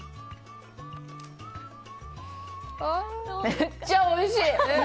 めっちゃおいしい！